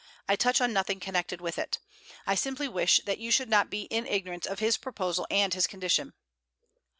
I touch on nothing connected with it. I simply wish that you should not be in ignorance of his proposal and his condition.'